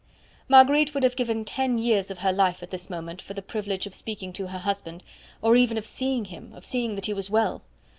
Marguerite would have given ten years of her life at this moment for the privilege of speaking to her husband, or even of seeing him of seeing that he was well.